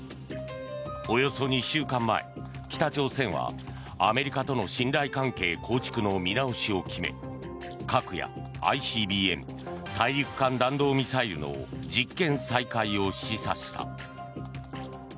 およそ２週間前、北朝鮮はアメリカとの信頼関係構築の見直しを決め核やＩＣＢＭ・大陸間弾道ミサイルの実験再開を示唆した。